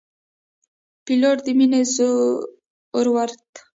پیلوټ د مینې، زړورت